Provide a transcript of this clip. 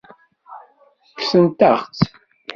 Kksent-aɣ-tt.